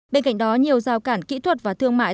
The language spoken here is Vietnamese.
bên cạnh đó nhiều giao cản kỹ thuật và thương mại